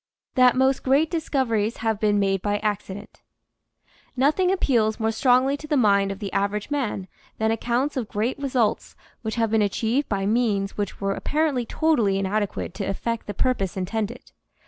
THAT MOST GREAT DISCOVERIES HAVE BEEN MADE BY ACCIDENT |OTHING appeals more strongly to the mind of the average man than accounts of great results which have been achieved by means which were apparently totally inadequate to effect the purpose intended.